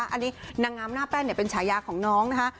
อันนี้นางงามหน้าแป้นเป็นฉายาของน้องนะคะ